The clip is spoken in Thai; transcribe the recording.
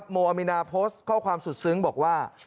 โมอามินาโพสต์ข้อความสุดซึ้งบอกว่า